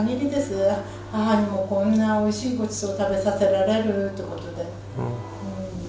母にもこんなおいしいごちそうを食べさせられるってことで。